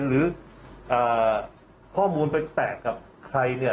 หรือข้อมูลไปแตกกับใคร